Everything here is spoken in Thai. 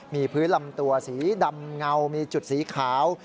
มีพื้นลำตัวสีดำเงามีจุดสีขาว